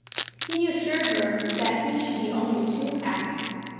He assured her that he should be only too happy.